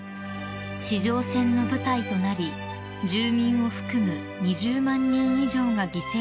［地上戦の舞台となり住民を含む２０万人以上が犠牲となった沖縄］